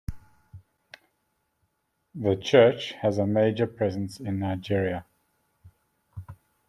The church has a major presence in Nigeria.